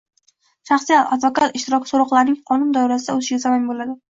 Shaxsiy advokat ishtiroki so‘roqlarning qonun doirasida o‘tishiga zamin bo‘ladi